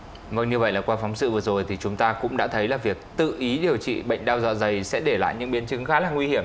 vâng như vậy là qua phóng sự vừa rồi thì chúng ta cũng đã thấy là việc tự ý điều trị bệnh đau da dày sẽ để lại những biến chứng khá là nguy hiểm